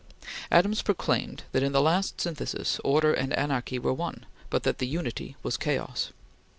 Adams proclaimed that in the last synthesis, order and anarchy were one, but that the unity was chaos.